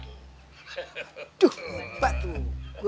aduh mumpah tuh